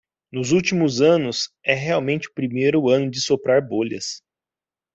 Nos últimos anos, é realmente o primeiro ano de soprar bolhas.